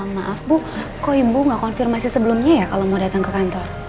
maaf bu kok ibu nggak konfirmasi sebelumnya ya kalau mau datang ke kantor